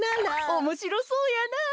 おもしろそうやなあ。